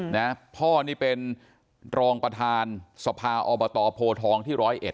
นะพ่อนี่เป็นรองประธานสภาอบตโพทองที่ร้อยเอ็ด